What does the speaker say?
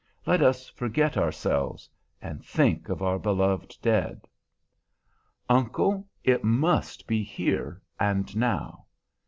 Let us forget ourselves, and think of our beloved dead." "Uncle, it must be here and now.